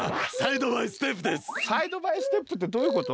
サイド・バイ・ステップってどういうこと？